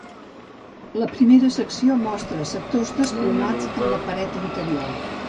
La primera secció mostra sectors desplomats en la paret interior.